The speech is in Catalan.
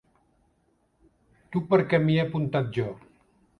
Tu perquè m'hi he apuntat jo.